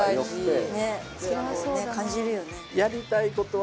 感じるよね。